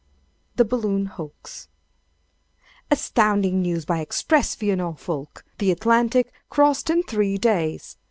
THE BALLOON HOAX [Astounding News by Express, via Norfolk!—The Atlantic crossed in Three Days!